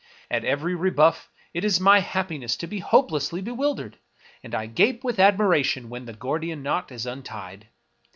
At every rebuff it is my happiness to be hopelessly bewildered ; and I gape with admiration when the Gordian knot is untied.